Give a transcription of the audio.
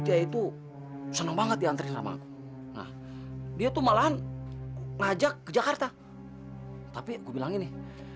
aditya tuh senang banget diantri sama aku dia tuh malahan ngajak ke jakarta tapi gua bilangin nih